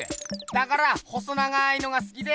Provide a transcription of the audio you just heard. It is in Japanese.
だから細長いのがすきで。